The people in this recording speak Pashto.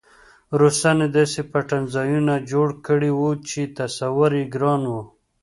روسانو داسې پټنځایونه جوړ کړي وو چې تصور یې ګران و